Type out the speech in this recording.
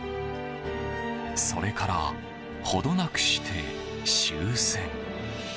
それから程なくして終戦。